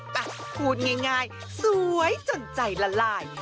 พูดง่ายสวยจนใจละลาย